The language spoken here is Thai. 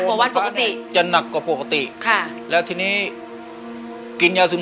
สามีก็ต้องพาเราไปขับรถเล่นดูแลเราเป็นอย่างดีตลอดสี่ปีที่ผ่านมา